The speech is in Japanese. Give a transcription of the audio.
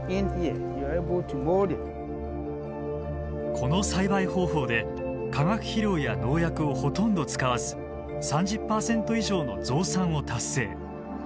この栽培方法で化学肥料や農薬をほとんど使わず３０％以上の増産を達成。